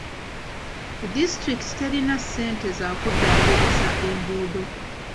Disitulikiti terina ssente za kuddaabiriza enguudo.